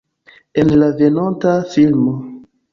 En la venonta filmo.